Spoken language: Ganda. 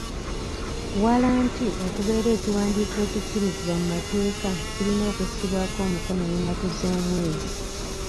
Waalanti okubeera ekiwandiiko ekikkirizibwa mu mateeka kirina okussibwako omukono n'ennaku z'omwezi.